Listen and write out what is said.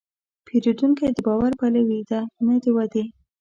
پیرودونکی د باور پلوي دی، نه د وعدې.